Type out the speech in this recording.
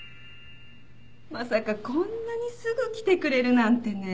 まさかこんなにすぐ来てくれるなんてね。